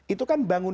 itu kan bangunan